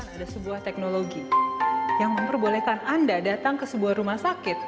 ada sebuah teknologi yang memperbolehkan anda datang ke sebuah rumah sakit